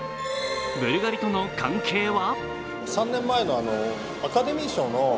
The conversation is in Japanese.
ブルガリとの関係は？